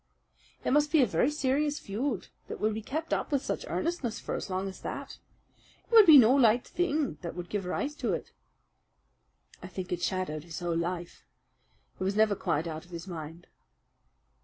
"It must be a very serious feud that would be kept up with such earnestness for as long as that. It would be no light thing that would give rise to it." "I think it shadowed his whole life. It was never quite out of his mind."